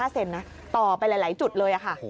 เซนนะต่อไปหลายจุดเลยค่ะ